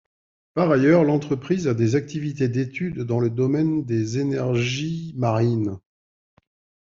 Par ailleurs, l'entreprise a des activités d'études dans le domaine des énergies marines.